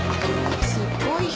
すっごい人。